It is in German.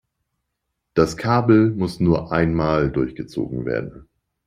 Das Kabel muss nur einmal durchgezogen werden.